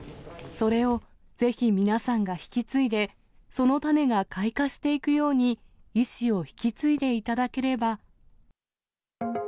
それをぜひ皆さんが引き継いで、その種が開花していくように、遺志を引き継いでいただければ。